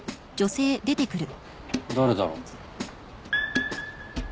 誰だろう？